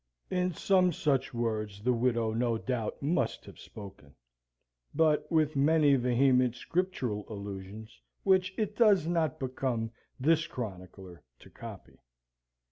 In some such words the widow no doubt must have spoken, but with many vehement Scriptural allusions, which it does not become this chronicler to copy.